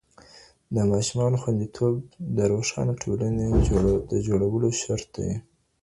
د ماشومانو خوندیتوب د روښانه ټولني د جوړولو شرط دی.